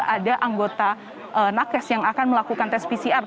ada anggota nakes yang akan melakukan tes pcr